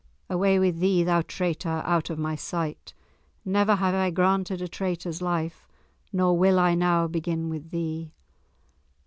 "Away with thee, thou traitor, out of my sight! Never have I granted a traitor's life, nor will I now begin with thee!"